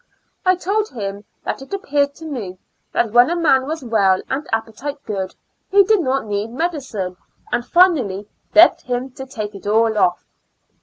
I told him that it appeared to me that when a man was well and appetite good, he did not need medicine; and finally begged him to take it all ofi".